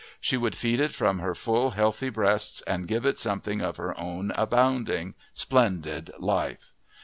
She would feed it from her full, healthy breasts and give it something of her own abounding, splendid life.